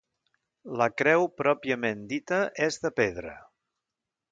La creu pròpiament dita és de pedra.